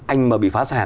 anh mà bị phá sản